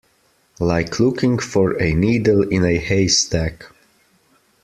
Like looking for a needle in a haystack.